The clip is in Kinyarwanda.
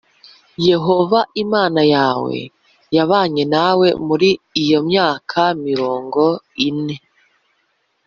Yehova Imana yawe yabanye nawe muri iyo myaka mirongo ine